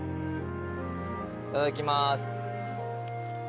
いただきます。